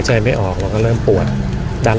ภาษาสนิทยาลัยสุดท้าย